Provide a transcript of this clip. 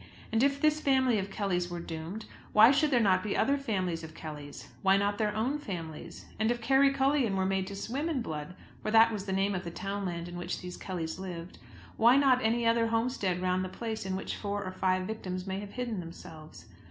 And if this family of Kellys were doomed, why should there not be other families of other Kellys, why not their own families? And if Kerrycullion were made to swim in blood, for that was the name of the townland in which these Kellys lived, why not any other homestead round the place in which four or five victims may have hidden themselves?